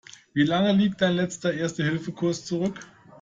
Wie lang liegt dein letzter Erste-Hilfe-Kurs zurück?